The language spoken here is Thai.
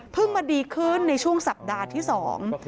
มาดีขึ้นในช่วงสัปดาห์ที่สอง